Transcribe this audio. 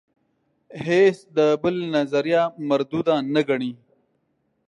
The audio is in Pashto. هیڅ د بل نظریه مرودوده نه ګڼي.